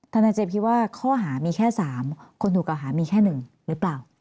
นายเจคิดว่าข้อหามีแค่๓คนถูกกล่าหามีแค่๑หรือเปล่า